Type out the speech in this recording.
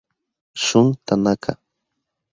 Shun Tanaka